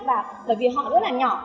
và bởi vì họ rất là nhỏ